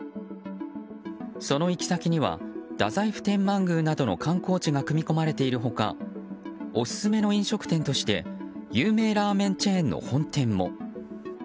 その行き先には太宰府天満宮などの観光地が組み込まれている他オススメの飲食店として有名ラーメンチェーンの本店も。